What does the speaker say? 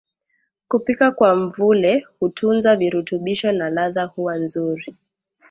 Kupika kwa mvuke hutunza virutubisho na ladha huwa nzuri